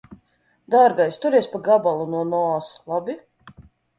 Dārgais, turies pa gabalu no Noas, labi?